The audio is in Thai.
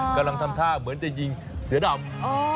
กำลังทำท่าเหมือนจะยิงเสือดำ